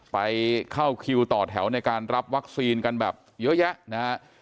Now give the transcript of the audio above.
ไปเข้าคิวต่อแถวในการรับวัคซีนกันแบบเยอะแยะนะฮะ